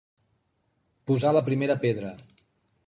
Posar la primera pedra.